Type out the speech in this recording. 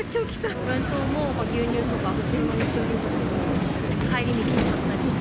お弁当、牛乳とか、普通の日用品とか帰り道に買ったり。